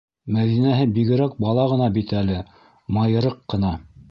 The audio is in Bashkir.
Мәҙинәһе бигерәк бала ғына бит әле, майырыҡ ҡына.